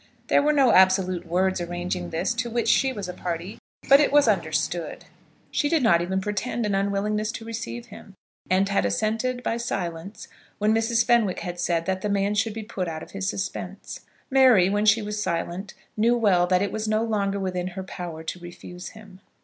There were no absolute words arranging this to which she was a party, but it was understood. She did not even pretend an unwillingness to receive him, and had assented by silence when Mrs. Fenwick had said that the man should be put out of his suspense. Mary, when she was silent, knew well that it was no longer within her power to refuse him.